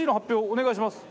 お願いします。